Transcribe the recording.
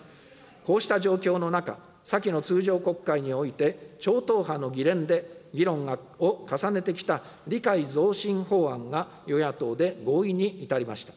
こうした状況の中、先の通常国会において、超党派の議連で議論を重ねてきた理解増進法案が、与野党で合意に至りました。